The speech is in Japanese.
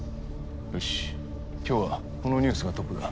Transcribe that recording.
よし今日はこのニュースがトップだ。